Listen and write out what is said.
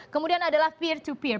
kemudian adalah peer to peer